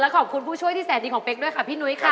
ขอบคุณผู้ช่วยที่แสนดีของเป๊กด้วยค่ะพี่นุ้ยค่ะ